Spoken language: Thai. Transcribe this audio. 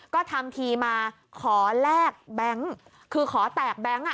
ก็ทำทีมาขอแลกแบงค์คือขอแตกแบงค์อ่ะ